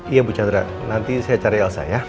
iya bu chandra nanti saya cari elsa ya